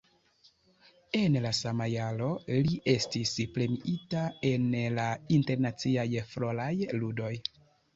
En la sama jaro li estis premiita en la Internaciaj Floraj Ludoj.